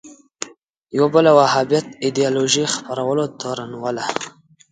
یوه بله وهابیت ایدیالوژۍ خپرولو تورنوله